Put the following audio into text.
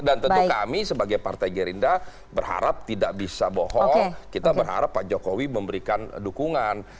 dan tentu kami sebagai partai gerindra berharap tidak bisa bohong kita berharap pak jokowi memberikan dukungan